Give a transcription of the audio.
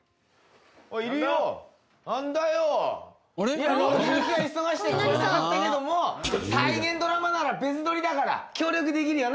いやロケの日は忙しくて来れなかったけども再現ドラマなら別撮りだから協力できるよな